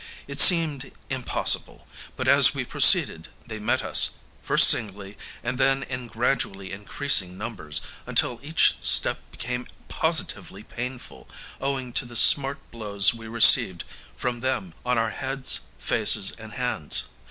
It seemed impossible; but as we proceeded they met us, first singly, and then in gradually increasing numbers, until each step became positively painful, owing to the smart blows we received from them on our heads, faces, and hands.